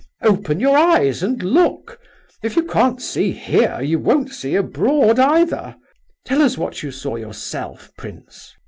Open your eyes and look! If you can't see here, you won't see abroad either. Tell us what you saw yourself, prince!"